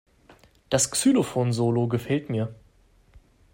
Das Xylophon-Solo gefällt mir.